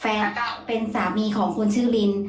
แฟนเป็นสามีของคุณชื่อริน